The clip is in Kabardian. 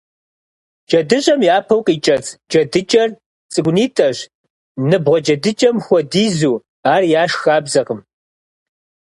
ДжэдыщӀэм япэу къикӀэцӀ джэдыкӀэр цӀыкӀунитӀэщ, ныбгъуэ джэдыкӀэм хуэдизу, ар яшх хабзэкъым.